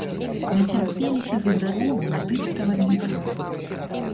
Нацярпеліся за дарогу ў тых таварняках.